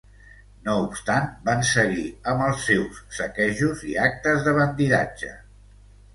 No obstant van seguir amb els seus saquejos i actes de bandidatge.